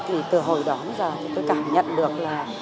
thì từ hồi đó bây giờ tôi cảm nhận được là